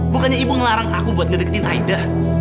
bukannya ibu ngelarang aku buat ngedekin aida